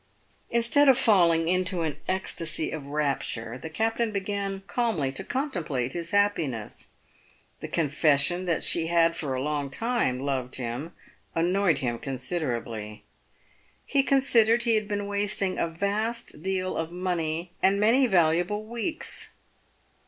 Instead of falling into an ecstasy of rapture, the captain began calmly to contemplate his happiness. The confession that she had for a long time loved him, annoyed him considerably. He considered he had been wasting a vast deal of money and many valuable weeks.